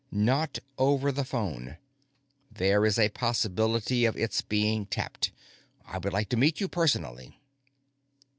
"Not over the phone. There is a possibility of its being tapped. I would like to meet you personally."